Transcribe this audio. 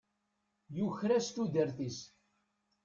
Yuker-as tudert-is.